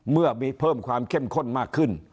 เมื่อมีเพิ่มความเข้มข้นมากขึ้น